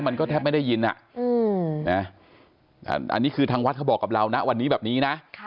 มันก็แทบไม่ได้ยินอันนี้คือทางวัดเขาบอกกับเรานะวันนี้แบบนี้นะ